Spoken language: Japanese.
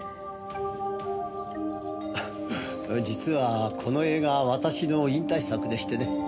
実はこの映画私の引退作でしてね。